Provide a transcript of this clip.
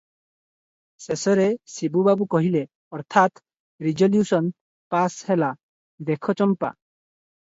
ଶେଷରେ ଶିବୁ ବାବୁ କହିଲେ, ଅର୍ଥାତ୍ ରିଜଲ୍ୟୁଶନ୍ ପାସ ହେଲା - "ଦେଖ ଚମ୍ପା!